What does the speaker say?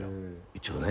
一応ね。